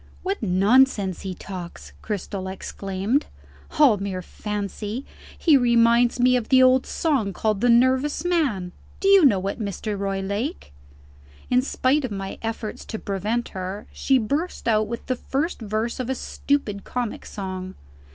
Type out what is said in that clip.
"What nonsense he talks!" Cristel exclaimed. "All mere fancy! He reminds me of the old song called 'The Nervous Man.' Do you know it, Mr. Roylake?" In spite of my efforts to prevent her, she burst out with the first verse of a stupid comic song.